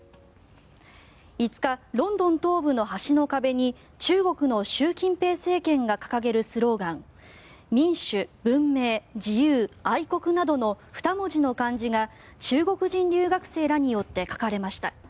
５日、ロンドン東部の橋の壁に中国の習近平政権が掲げるスローガン民主、文明、自由、愛国などの２文字の漢字が中国人留学生らによって書かれました。